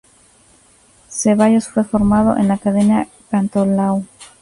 Ceballos fue formado en la Academia Cantolao.